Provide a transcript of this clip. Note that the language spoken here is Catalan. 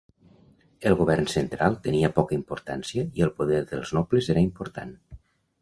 El govern central tenia poca importància i el poder dels nobles era important.